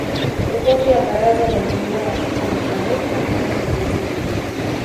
Ripoti ya Baraza la jumuia ya Afrika Mashariki ambayo gazeti iliiona